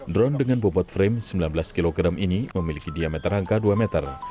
drone dengan bobot frame sembilan belas kg ini memiliki diameter angka dua meter